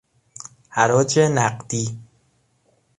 حراج نقدی